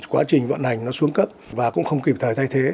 quá trình vận hành nó xuống cấp và cũng không kịp thời thay thế